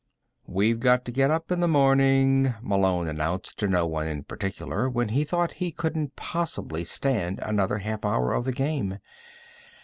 "We've got to get up in the morning," Malone announced to no one in particular, when he thought he couldn't possibly stand another half hour of the game.